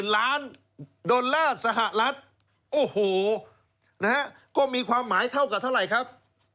ล้านดอลลาร์สหรัฐโอ้โหนะฮะก็มีความหมายเท่ากับเท่าไหร่ครับ